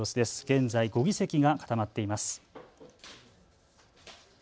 現在５議席が固まっています。